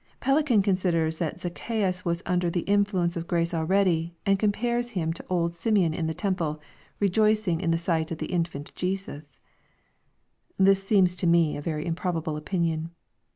] Pellican considers that Zacchieus was under the influence of grace already, and compares him to old Simeon in the temple, rejoicing in the sight of the infant Jesus I This seems to me a very improbable opinion.